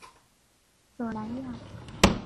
索莱亚。